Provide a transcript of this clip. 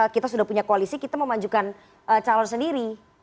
kita sudah punya koalisi kita mau majukan calon sendiri